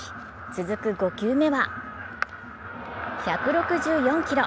続く５球目は１６４キロ。